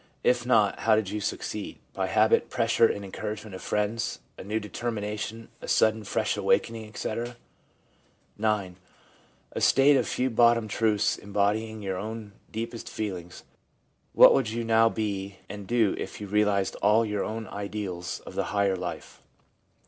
If not, how did you succeed — by habit, pressure and en couragement of friends, a new determination, a sudden fresh awakening, etc. ? 1 IX. State a few bottom truths embodying your own deepest feelings. What would you now be and do if you realised all your own ideals of the higher life?